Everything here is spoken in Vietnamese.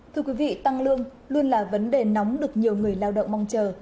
thưa quý vị tăng lương luôn là vấn đề nóng được nhiều người lao động mong chờ